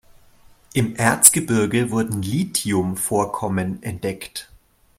Im Erzgebirge wurden Lithium-Vorkommen entdeckt.